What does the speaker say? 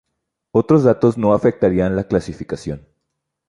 Otros datos no afectarían la clasificación.